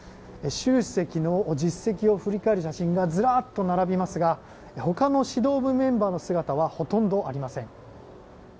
習主席の実績を振り返る写真がずらっと並びますがほかの指導部メンバーの姿はほとんどありません。